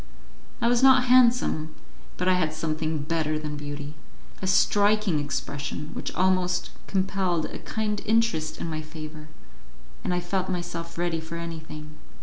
I was not handsome, but I had something better than beauty a striking expression which almost compelled a kind interest in my favour, and I felt myself ready for anything.